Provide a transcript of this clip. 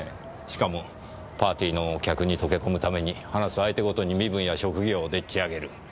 しかもパーティーの客に溶け込むために話す相手ごとに身分や職業をでっちあげる。